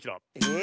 え。